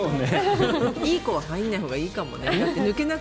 インコは入らないほうがいいかもね。